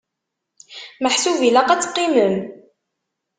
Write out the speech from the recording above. Meḥsub ilaq ad teqqimem?